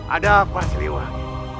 ada apa sih liwangi